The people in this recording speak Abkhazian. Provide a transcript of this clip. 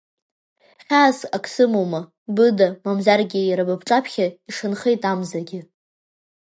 Хьаас ак сымоума, быда, мамзаргьы, иара ба бҿаԥхьа, ишанхеит амзагьы.